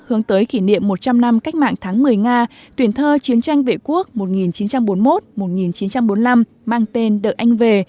trong thời điểm một trăm linh năm cách mạng tháng một mươi nga tuyển thơ chiến tranh vệ quốc một nghìn chín trăm bốn mươi một một nghìn chín trăm bốn mươi năm mang tên đợt anh về